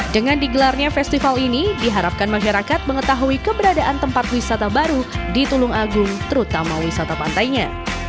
dengan digelarnya festival ini diharapkan masyarakat mengetahui keberadaan tempat wisata baru di tulung agung terutama wisata pantainya